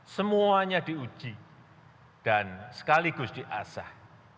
semuanya diuji dan sekaligus diasah